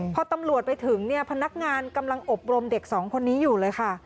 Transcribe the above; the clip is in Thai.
พอตำรวจไปถึงเนี่ยพนักงานกำลังอบรมเด็กสองคนนี้อยู่เลยค่ะ